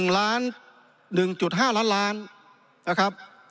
๑๕ล้านล้านนะครับ